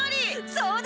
そうだ！